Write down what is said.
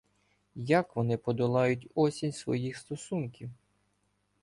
Як вони подолають осінь своїх стосунків?